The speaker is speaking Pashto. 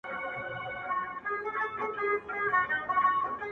ستا هغه ګوته طلایي چیري ده.